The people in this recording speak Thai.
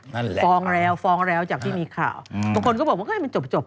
นั่นแหละฟ้องแล้วฟ้องแล้วจากที่มีข่าวบางคนก็บอกว่าเอ้ยมันจบจบ